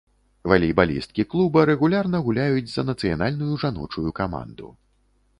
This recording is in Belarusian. Валейбалісткі клуба рэгулярна гуляюць за нацыянальную жаночую каманду.